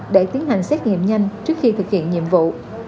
để tiến hành xét nghiệm nhanh trước khi thực hiện nhiệm vụ